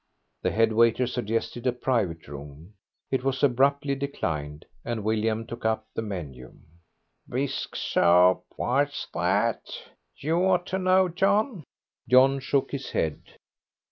The head waiter suggested a private room; it was abruptly declined, and William took up the menu. "Bisque Soup, what's that? You ought to know, John." John shook his head.